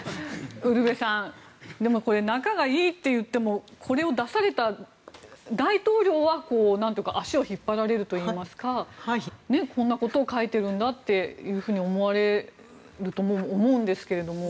ウルヴェさん仲がいいっていってもこれを出された大統領は何というか足を引っ張られるといいますかこんなことを書いているんだと思われるとも思うんですけれども。